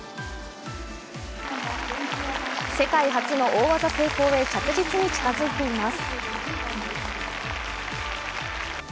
世界初の大技成功へ着実に近づいています。